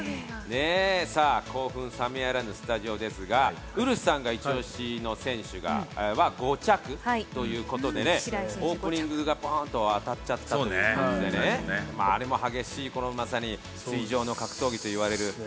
興奮冷めやらぬスタジオですが、ウルフさんが一押しの選手は５着ということで、オープニングがばーんと当たっちゃったという感じであれも激しい、まさに水上の格闘技といわれる。